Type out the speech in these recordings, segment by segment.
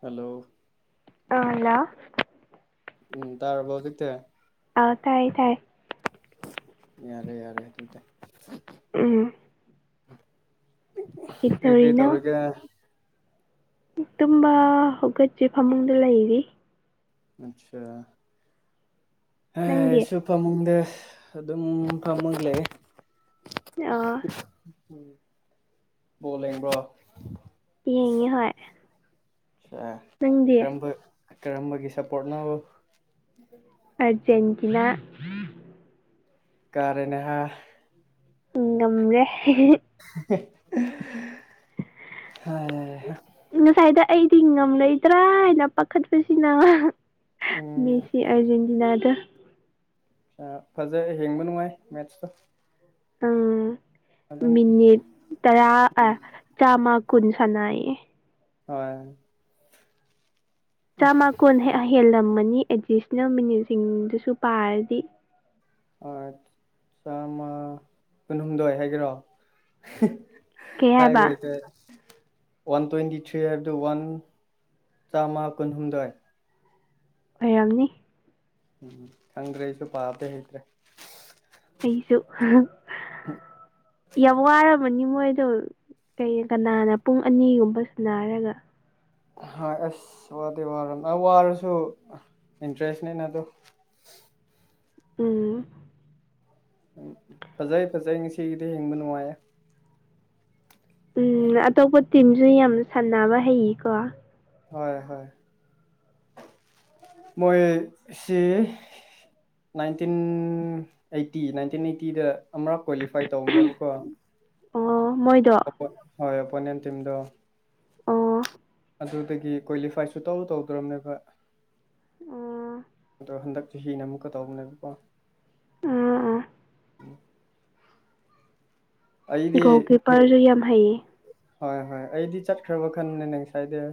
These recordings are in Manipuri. ꯍꯥꯜꯂꫭ ꯑꯥꯜꯂꫭ ꯎꯝ ꯇꯥꯔꯕꫭ ꯍꯧꯖꯤꯛꯇꯤ ꯑꯥ ꯇꯥꯏꯌꯦ ꯇꯥꯏꯌꯦ ꯌꯥꯔꯦ ꯌꯥꯔꯦ ꯑꯗꯨꯗꯤ ꯎꯝ ꯀꯔꯤ ꯀꯔꯤ ꯀꯩꯗꯧꯔꯤꯅꯣ ꯇꯧꯔꯤꯒꯦ ꯇꯨꯝꯕ ꯍꯧꯒꯠꯇꯔꯤ ꯐꯃꯨꯡꯗ ꯂꯩꯔꯤ ꯑꯆꯥ ꯍꯩ ꯅꯪꯗꯤ ꯁꯨꯞ ꯐꯃꯨꯡꯗ ꯑꯗꯨꯝ ꯐꯥꯝꯃꯒꯥ ꯂꯩꯌꯦ ꯑꯣ [unintelligible] ꯕꯣꯜ ꯌꯦꯡꯕ꯭ꯔꯣ ꯌꯦꯡꯉꯦ ꯍꯣꯏ [unintelligible] ꯅꯪꯗꯤ ꯀꯔꯝꯕ ꯀꯔꯝꯕꯒꯤ ꯁꯞꯄꯣꯔꯠ ꯅꯣ꯫ ꯑꯥꯔꯖꯦꯟꯇꯤꯅꯥ ꯀꯥ ꯔꯦꯅꯦ ꯍꯥ ꯎꯝ ꯉꯝꯔꯦ ꯍꯦ ꯍꯦ ꯍꯦ ꯍꯦ ꯍꯩꯍꯥ ꯉꯁꯥꯏꯗꫭ ꯑꯩꯗꯤ ꯉꯝꯂꯣꯏꯗ꯭ꯔꯥ ꯍꯥꯏꯅ ꯄꯥꯈꯠꯄꯁꯤꯅ ꯎꯝ ꯃꯦꯁꯤ ꯑꯔꯖꯦꯟꯇꯤꯅꯥꯗꫭ ꯑ ꯐꯖꯩ ꯍꯦꯡꯕ ꯅꯨꯡꯉꯥꯏ ꯃꯦꯠꯁꯇꯣ ꯎꯝ ꯑꯗꯨꯝ ꯃꯤꯅꯤꯠ ꯇꯔꯥ ꯑ ꯆꯥꯝꯃ ꯀꯨꯟ ꯁꯥꯟꯅꯩꯌꯦ ꯍꯣꯏ ꯆꯥꯝꯃ ꯀꯨꯟ ꯍꯦꯜꯂꯝꯃꯅꯤ ꯑꯦꯗꯤꯁꯅꯦꯜ ꯃꯤꯅꯤꯠ ꯁꯤꯡꯗꯨꯁꯨ ꯄꯥꯔꯗꯤ꯫ ꯑ ꯆꯥꯃ ꯀꯨꯟꯍꯨꯝꯗꯣꯏ ꯍꯥꯏꯒꯦꯔꯣ ꯀꯩ ꯍꯥꯏ ꯍꯥꯏꯕ ꯍꯩꯏꯇꯔꯦ ꯋꯥꯟ ꯇ꯭ꯋꯦꯟꯇꯤ ꯊ꯭ꯔꯤ ꯍꯥꯏꯕꯗꯨ ꯋꯥꯟ ꯆꯥꯝꯃ ꯀꯨꯟꯍꯨꯝꯗꯣꯏ ꯑꯣꯏꯔꯝꯅꯤ ꯎꯝ ꯈꯪꯗ꯭ꯔꯦ ꯑꯩꯁꯨ ꯄꯥꯕꯗꯤ ꯍꯩꯇ꯭ꯔꯦ ꯑꯩꯁꯨ ꯌꯥꯝ ꯋꯥꯔꯕꯅꯤ ꯃꯣꯏꯗꯣ ꯀꯩ ꯀꯅꯥꯅ ꯄꯨꯡ ꯑꯅꯤꯒꯨꯝꯕ ꯁꯅꯥꯔꯒ ꯑ ꯑꯁ ꯋꯥꯗꯦ ꯋꯥꯔ ꯋꯥꯔꯁꯨ ꯏꯟꯇꯔꯦꯁꯅꯦꯅ ꯑꯗꯨ ꯎꯝ ꯐꯖꯩ ꯐꯖꯩ ꯉꯥꯁꯤꯒꯤꯗꯤ ꯌꯦꯡꯕ ꯅꯨꯡꯉꯥꯏꯌꯦ ꯎꯝ ꯑꯇꯣꯞꯄ ꯇꯤꯝꯁꯨ ꯌꯥꯝꯅ ꯁꯥꯟꯅꯕ ꯍꯩꯌꯦꯀꯣ ꯍꯣꯏ ꯍꯣꯏ ꯃꯣꯏ ꯁꯤ ꯅꯥꯏꯟꯇꯤꯟ ꯑꯩꯠꯇꯤ ꯅꯥꯏꯟꯇꯤꯟ ꯑꯩꯠꯇꯤꯗ ꯑꯃꯔꯛ ꯀ꯭ꯋꯥꯂꯤꯐꯥꯏ ꯇꯧꯕꯅꯦꯕꯀꯣ꯫ ꯑꯣ ꯃꯣꯏꯗꯣ ꯍꯣꯏ ꯑꯣꯄꯣꯅꯦꯟ ꯇꯤꯝꯗꯣ ꯑꯣ ꯑꯗꯨꯗꯒꯤ ꯀ꯭ꯋꯥꯂꯤꯐꯥꯏꯁꯨ ꯇꯧꯔ ꯇꯧꯗ꯭ꯔꯕꯅꯦꯕ ꯑꯣ ꯑꯗꯣ ꯍꯟꯗꯛ ꯆꯍꯤꯅ ꯑꯃꯨꯛꯀ ꯇꯧꯕꯅꯦꯕꯀꯣ ꯎꯝ ꯎꯝ ꯑꯩꯗꯤ ꯒꯣꯜ ꯀꯤꯞꯄꯔꯁꯨ ꯌꯥꯝ ꯍꯩꯌꯦ ꯍꯣꯏ ꯍꯣꯏ ꯑꯩꯗꯤ ꯆꯠ ꯈ꯭ꯔꯕ ꯈꯟ ꯅꯅꯦ ꯉꯁꯥꯢꯗꯩ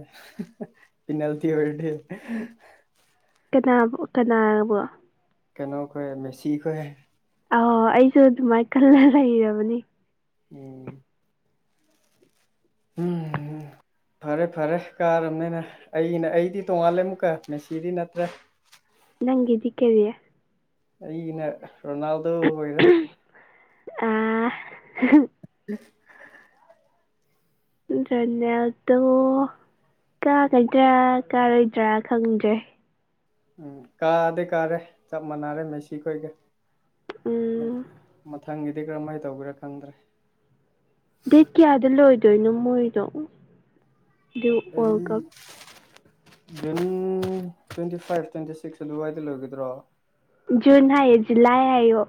ꯄꯦꯅꯜꯇꯤ ꯑꯣꯏꯔꯗꯤ ꯀꯅꯥꯕꯨ ꯀꯅꯥꯕꯨꯣ ꯀꯩꯅꯣ ꯀꯣꯏ ꯃꯦꯁꯤ ꯀꯣꯏ ꯑꯣ ꯑꯩꯁꯨ ꯑꯗꯨꯃꯥꯏꯅ ꯈꯂꯒ ꯂꯩꯔꯕꯅꯤ ꯎꯝ ꯎꯝꯝ ꯐꯔꯦ ꯐꯔꯦ ꯀꯥꯔꯕꯅꯤꯅ ꯑꯩꯩꯅ ꯑꯩꯗꯤ ꯇꯣꯡꯉꯥꯜꯂꯦ ꯑꯃꯨꯛꯀ ꯃꯦꯁꯤꯗꯤ ꯅꯠꯇ꯭ꯔꯦ ꯅꯪꯗꯤ ꯀꯦꯔꯤꯌꯥ ꯑꯩꯒꯤꯅ ꯔꯣꯅꯥꯜꯗꯣ ꯑꯣꯏꯔꯦ ꯑ ꯍꯨꯝ ꯍꯨꯝ [inaudible] ꯔꯣꯅꯥꯜꯗꯣ ꯀꯥꯒꯗ꯭ꯔꯥ ꯀꯥꯔꯣꯏꯗ꯭ꯔꯥ ꯈꯪꯗ꯭ꯔꯦ ꯎꯝ ꯀꯥꯗꯤ ꯀꯥꯔꯦ ꯆꯞ ꯃꯥꯟꯅꯔꯦ ꯃꯦꯁꯤ ꯈꯣꯏꯒ ꯎꯝ ꯃꯊꯪꯒꯤꯗꯤ ꯀꯔꯃꯥꯏ ꯇꯧꯕꯤꯔꯥ ꯈꯪꯗ꯭ꯔꯦ ꯗꯦꯠ ꯀꯌꯥꯗ ꯂꯣꯏꯗꯣꯏꯅꯣ ꯃꯣꯏꯗꯣ꯫ ꯑꯗꯨ ꯋꯥꯔꯜ ꯑꯩ ꯀꯞ ꯝ ꯇ꯭ꯋꯦꯟꯇꯤ ꯐꯥꯏꯚ ꯇ꯭ꯋꯦꯟꯇꯤ ꯁꯤꯛ ꯑꯗꯨ ꯑꯗꯨꯋꯥꯏꯗ ꯂꯣꯏꯒꯗ꯭ꯔꯣ꯫ ꯨꯟ ꯍꯥꯏ ꯖꯨꯂꯥꯏ ꯍꯥꯏꯣ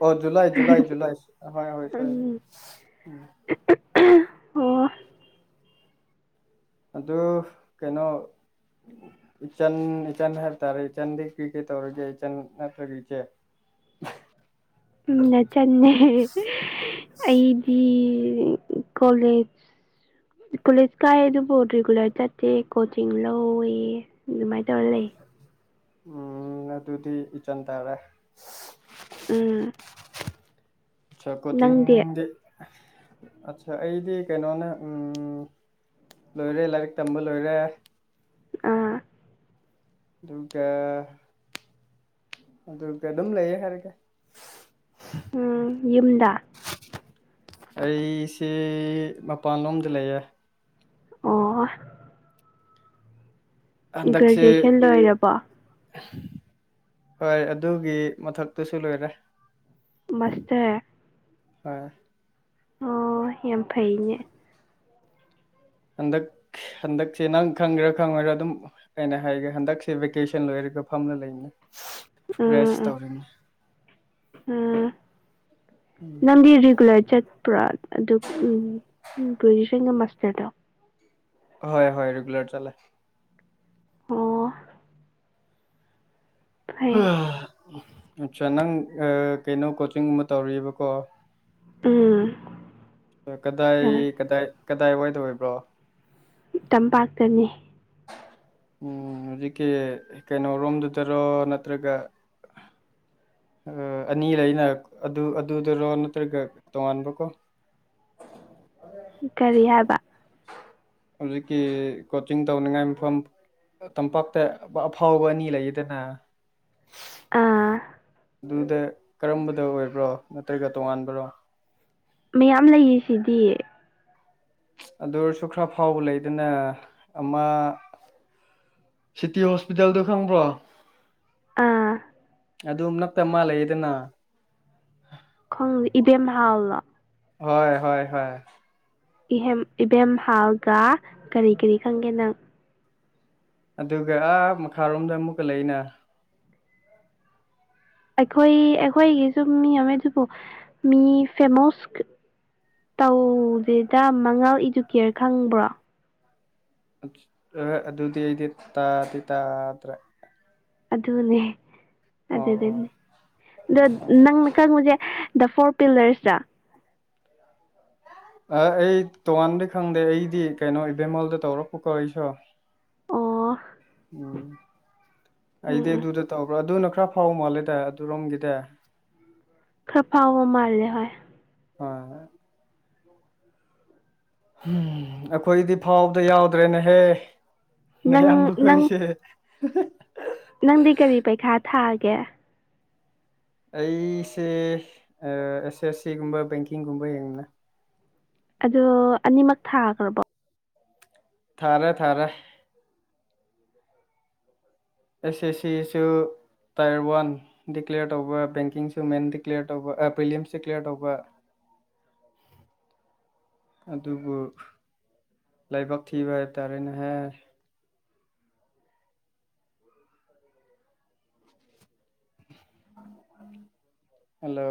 ꯑꯣ ꯖꯨꯂꯥꯏ ꯖꯨꯂꯥꯏ ꯖꯨꯂꯥꯏ ꯍꯣꯏ ꯍꯣꯏ ꯁꯣꯏꯔꯦ ꯎꯝ ꯑꯣ ꯑꯗꯨ ꯀꯩꯅꯣ ꯏꯆꯟ ꯏꯆꯟ ꯍꯥꯏꯇꯥꯔꯦ ꯏꯆꯟꯗꯤ ꯀ꯭ꯔꯤ ꯀꯩ ꯇꯧꯔꯒꯦ ꯏꯆꯟ ꯅꯠꯇ꯭ꯔꯒ ꯏꯆꯦ ꯅꯥꯆꯟ ꯅꯦ ꯑꯩꯗꯤ ꯀꯣꯂꯦꯖ ꯀꯣꯂꯦꯖ ꯀꯥꯏꯑ ꯑꯗꯨꯕꯨ ꯔꯤꯒꯨꯂꯔ ꯆꯠꯇꯦ ꯀꯣꯆꯤꯡ ꯂꯧꯋꯦ ꯃꯥꯏ ꯇꯔ ꯂꯩꯦ ꯎꯝ ꯑꯗꯨꯗꯤ ꯏꯆꯟ ꯇꯥꯔꯦ ꯎꯝ ꯆ ꯅꯪꯗꯤ ꯀꯣꯆꯤꯡꯗꯤ ꯑꯠꯆꯥ ꯑꯩꯗꯤ ꯀꯩꯅꯣꯅꯦ ꯎꯝ ꯂꯣꯏꯔꯦ ꯂꯥꯏꯔꯤꯛ ꯇꯝꯕ ꯂꯣꯏꯔꯦ ꯑꯥ ꯗꯨꯒ ꯑꯗꯨꯒ ꯑꯗꯨꯝ ꯂꯩꯌꯦ ꯍꯥꯢꯔꯒꯦ ꯎ ꯌꯨꯝꯗ ꯑꯩꯁꯦ ꯃꯄꯥꯟꯂꯣꯝꯗ ꯂꯩꯌꯦ ꯑꯣ ꯍꯟꯗꯁꯤ ꯒ꯭ꯔꯦꯖꯨꯑꯦꯁꯟ ꯂꯣꯏꯔꯕꯣ ꯍꯣꯏ ꯑꯗꯨꯒꯤ ꯃꯊꯛꯇꯨꯁꯨ ꯂꯣꯏꯔꯦ ꯃꯁꯦ ꯍꯣꯏ ꯑꯣ ꯌꯥꯝ ꯐꯩꯅꯦ ꯍꯟꯗꯛ ꯍꯟꯗꯛꯁꯦ ꯅꯪ ꯈꯪꯒꯦꯔꯥ ꯈꯪꯉꯣꯏ ꯑꯗꯨꯝ ꯑꯩꯅ ꯍꯥꯏꯒꯦ ꯍꯟꯗꯛꯁꯦ ꯚꯦꯀꯦꯁꯟ ꯂꯣꯏꯔꯒ ꯐꯝꯅ ꯂꯩꯅꯤ ꯎ ꯑꯝ ꯎꯝ ꯅꯪꯗꯤ ꯔꯤꯒꯨꯂꯔ ꯆꯠ ꯄꯨꯔꯥ ꯑꯗꯨ ꯎꯝ ꯒ꯭ꯔꯦꯖꯨꯁꯟꯒ ꯃꯥꯁꯇꯔꯗ ꯍꯣꯏ ꯍꯣꯏ ꯔꯦꯒꯨꯂꯔ ꯆꯂ ꯑꯣ ꯐꯩ ꯑꯠꯆꯥ ꯅꯪ ꯀꯩꯅꯣ ꯀꯣꯆꯤꯡ ꯑꯃ ꯇꯧꯔꯤꯕꯀꯣ ꯎꯝ ꯀꯗꯥꯏ ꯀꯗꯥꯏ ꯀꯗꯥꯏ ꯋꯥꯏꯗ ꯑꯣꯢꯕ꯭ꯔꯣ ꯇꯝꯄꯥꯛꯇꯅꯤ ꯎꯝ ꯍꯧꯖꯤꯛꯀꯤ ꯀꯩꯅꯣꯔꯣꯝꯗꯨꯗꯔꯣ ꯅꯠꯇ꯭ꯔꯒ ꯑꯅꯤꯂꯩꯅ ꯑꯗꯨ ꯑꯗꯨꯗꯔꯣ ꯅꯠꯇ꯭ꯔꯒ ꯇꯣꯉꯥꯟꯕ ꯀꯣ ꯀꯔꯤ ꯍꯥꯏꯕ ꯍꯧꯖꯤꯛꯀꯤ ꯀꯣꯆꯤꯡ ꯇꯧꯅꯤꯡꯉꯥꯏ ꯃꯐꯝ ꯇꯝꯄꯥꯛꯇ ꯑꯐꯥꯎꯕ ꯑꯅꯤ ꯂꯩꯌꯦꯗꯅꯥ ꯑꯥ ꯑꯗꯨꯗ ꯀꯔꯝꯕꯗ ꯑꯣꯏꯕ꯭ꯔꯣ ꯅꯠꯇ꯭ꯔꯒ ꯇꯣꯉꯥꯟꯕ꯭ꯔꯣ ꯃꯌꯥꯝ ꯂꯩꯔꯤꯁꯤꯗꯤ ꯑꯗꯨ ꯑꯣꯢꯔꯁꯨ ꯈꯔ ꯐꯥꯎꯕ ꯂꯩꯗꯅ ꯑꯃ ꯁꯤꯇꯤ ꯍꯣꯁꯄꯤꯇꯥꯜꯗꯣ ꯈꯪꯕ꯭ꯔꯣ ꯑꯥ ꯑꯗꯨꯝ ꯅꯛꯇ ꯃꯥ ꯂꯩꯌꯦꯗꯅ ꯈꯣꯡꯦ ꯏꯕꯦꯝꯍꯥꯜꯅꯣ ꯍꯣꯏ ꯍꯣꯏ ꯍꯣꯏ ꯏꯍꯦꯝ ꯏꯕꯦꯝꯍꯥꯜꯒ ꯀꯔꯤ ꯀꯔꯤ ꯈꯪꯒꯦ ꯅꯪ ꯑꯗꯨꯒ ꯑꯥ ꯃꯈꯥꯔꯣꯝꯗ ꯑꯃꯨꯛꯀ ꯂꯩꯅ ꯑꯩꯈꯣꯏ ꯑꯩꯈꯣꯏꯒꯤꯁꯨ ꯃꯤ ꯑꯃ ꯑꯗꯨꯕꯨ ꯃꯤ ꯐꯦꯃꯣꯁ ꯇꯧꯗꯦꯗ ꯃꯉꯥ ꯏꯗꯨꯀꯦꯌꯔ ꯈꯪꯕ꯭ꯔꯣ ꯑꯗꯨꯗꯤ ꯑꯩꯗꯤ ꯇꯥꯗꯤ ꯇꯥꯗ꯭ꯔꯦ ꯑꯗꯨꯅꯦ ꯑꯣ ꯑꯣ ꯑꯗꯨꯗꯨꯅꯦ ꯑꯗꯣ ꯅꯪꯅ ꯈꯪꯉꯨꯁꯦ ꯗ ꯐꯣꯔ ꯄꯤꯂꯔꯁꯗ ꯑꯩ ꯇꯣꯉꯥꯟꯕꯗꯤꯩ ꯈꯪꯗꯦ ꯑꯩꯗꯤ ꯀꯩꯅꯣ ꯏꯕꯦꯝꯃꯣꯜꯗ ꯇꯧꯔꯛꯄꯀꯣ ꯑꯩꯁꯨ ꯑꯣ ꯎꯝ ꯎꯝ ꯑꯩꯗꯤ ꯎꯝ ꯑꯗꯨꯗ ꯇꯧꯕ꯭ꯔꯣ ꯑꯗꯨꯅ ꯈꯔ ꯐꯥꯎ ꯃꯥꯜꯂꯦꯗ ꯑꯗꯨꯔꯣꯝꯒꯤꯗꯤ ꯈꯔ ꯐꯥꯎꯕ ꯃꯥꯜꯂꯦ ꯍꯣꯏ ꯍꯣꯏ [inaudible] ꯎꯝ ꯑꯩꯈꯣꯏꯗꯤ ꯐꯥꯎꯕꯗ ꯌꯥꯎꯗ꯭ꯔꯦꯅꯦꯍꯦ ꯅꯪ ꯅꯌꯥꯝ ꯅꯪ ꯃꯈꯈꯣꯏꯁꯦ ꯅꯪꯗꯤ ꯀꯔꯤ ꯄꯩꯈꯥ ꯊꯥꯒꯦ ꯑꯩꯁꯦ ꯑꯦꯁ ꯑꯦꯁ ꯁꯤꯒꯨꯝꯕ ꯕꯦꯡꯀꯤꯡꯒꯨꯝꯕ ꯌꯦꯡꯅ ꯑꯗꯣ ꯑꯅꯤꯃꯛ ꯊꯥꯈ꯭ꯔꯕꯣ ꯊꯥꯔꯦ ꯊꯥꯔꯦ [inaudible] ꯑꯦꯁ ꯑꯦꯁ ꯁꯤꯁꯨ ꯇꯥꯏꯔ ꯋꯥꯟ ꯗꯤꯀ꯭ꯂꯦꯌꯔ ꯇꯧꯕ ꯕꯦꯡꯀꯤꯡꯁꯨ ꯃꯦꯟ ꯗꯤꯀ꯭ꯂꯦꯌꯔ ꯇꯧꯕ ꯋꯤꯂꯤꯌꯝꯁ ꯗꯤꯀ꯭ꯂꯦꯔ ꯇꯧꯕ [unintelligible] ꯑꯗꯨꯕꯨ ꯂꯥꯏꯕꯛ ꯊꯤꯕ ꯍꯥꯏꯕꯇꯥꯔꯦꯅꯦꯍ ꯍꯜꯂꯣ